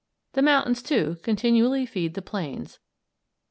The mountains, too, continually feed the plains.